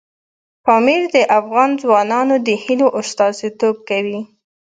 پامیر د افغان ځوانانو د هیلو استازیتوب کوي.